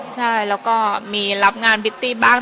ใช่แล้วก็มีรับงานบิตตี้บ้าง